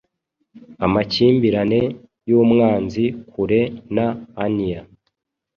Amakimbirane yumwanzi kure na anear